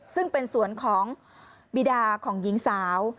ซึ่งเป็นสวนของบีดาของหญิงสาว